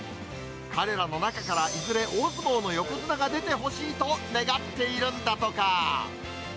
彼らの中から、いずれ大相撲の横綱が出てほしいと願っているんだとか。